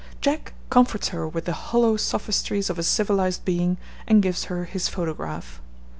Jack comforts her with the hollow sophistries of a civilised being and gives her his photograph.